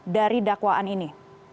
dari dakwaan ini